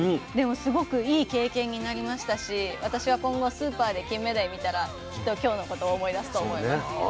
でもすごくいい経験になりましたし私は今後スーパーでキンメダイ見たらきっと今日のことを思い出すと思います。